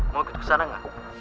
mau ikut kesana gak